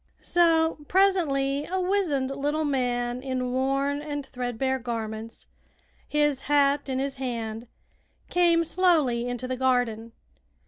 So presently a wizened little man in worn and threadbare garments, his hat in his hand, came slowly into the garden.